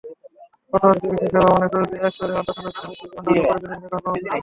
কর্তব্যরত চিকিৎসকেরা অনেক রোগীকে এক্স-রে, আলট্রাসনোগ্রাম, ইসিজিসহ অন্যান্য পরীক্ষা-নিরীক্ষা করার পরামর্শ দেন।